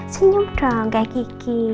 senyum dong kak kiki